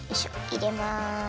いれます。